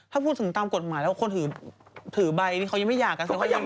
ถ้าถึงตามกฎหมายแล้วคนถึง